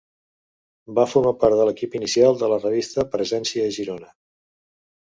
Va formar part de l’equip inicial de la revista Presència a Girona.